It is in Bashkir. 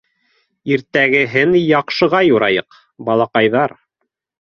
Иртәгәһен яҡшыға юрайыҡ, балаҡайҙар.